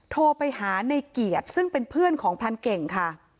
โทรไปหาในเกียรติซึ่งเป็นเพื่อนของพรานเก่งค่ะ